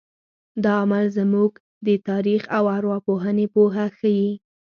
دا عمل زموږ د تاریخ او ارواپوهنې پوهه ښیي.